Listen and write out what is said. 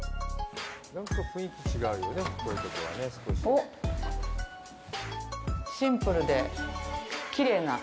おっ、シンプルできれいな。